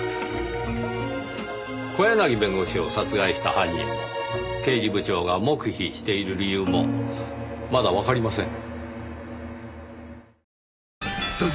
小柳弁護士を殺害した犯人も刑事部長が黙秘している理由もまだわかりません。